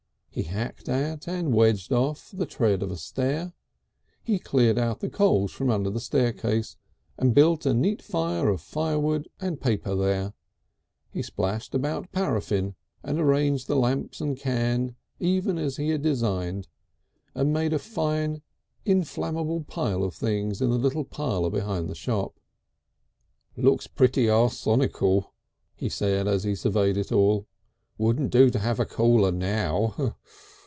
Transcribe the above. He hacked at, and wedged off, the tread of a stair. He cleared out the coals from under the staircase, and built a neat fire of firewood and paper there, he splashed about paraffine and arranged the lamps and can even as he had designed, and made a fine inflammable pile of things in the little parlour behind the shop. "Looks pretty arsonical," he said as he surveyed it all. "Wouldn't do to have a caller now.